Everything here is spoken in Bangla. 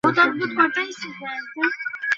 তোমারই কথা শুনছি।